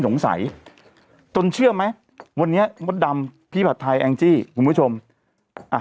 สงสัยจนเชื่อไหมวันนี้มดดำพี่ผัดไทยแองจี้คุณผู้ชมอ่ะ